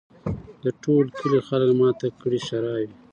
د ټول کلي خلک ماته کړي ښراوي